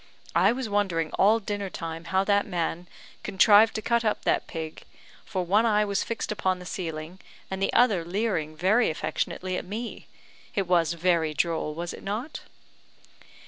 I was wondering all dinner time how that man contrived to cut up that pig; for one eye was fixed upon the ceiling, and the other leering very affectionately at me. It was very droll; was it not?"